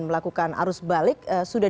melakukan arus balik sudah